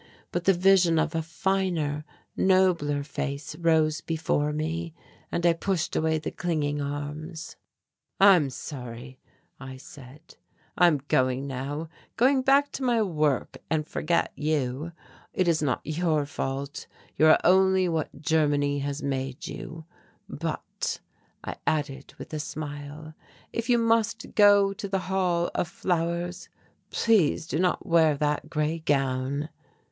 But the vision of a finer, nobler face rose before me, and I pushed away the clinging arms. "I'm sorry," I said, "I am going now going back to my work and forget you. It is not your fault. You are only what Germany has made you but," I added with a smile, "if you must go to the Hall of Flowers, please do not wear that grey gown."